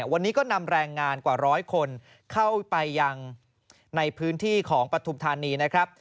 วันนี้ก็นำแรงงานกว่าร้อยคนเข้าไปยังในพื้นที่ของปฐุมธานีนะครับ